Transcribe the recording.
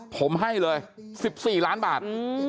ผมให้เลย๑๔ล้านบาท